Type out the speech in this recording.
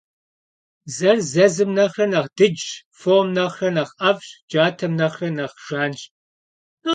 Бзэр зэзым нэхърэ нэхъ дыджщ, фом нэхърэ нэхъ ӀэфӀщ, джатэм нэхърэ нэхъ жанщ.